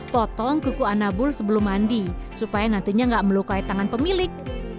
potong kuku anabul sebelum mandi supaya nantinya nggak melukai tangan pemilik